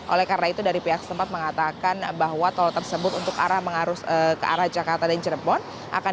oleh karena itu dari pihak tempat mengatakan bahwa tol tersebut untuk arah mengarus ke arah jakarta dan cirebon